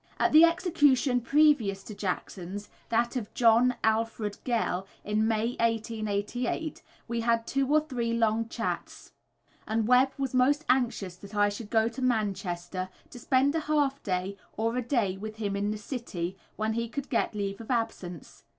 At the execution previous to Jackson's that of John Alfred Gell, in May, 1888 we had two or three long chats, and Webb was most anxious that I should go to Manchester to spend a half day or a day with him in the city, when he could get leave of absence.